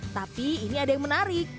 tapi ini ada yang menarik